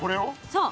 そう。